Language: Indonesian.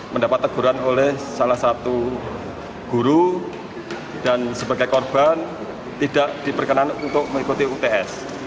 mendapat teguran oleh salah satu guru dan sebagai korban tidak diperkenankan untuk mengikuti uts